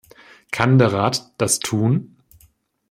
Kann der Rat das tun?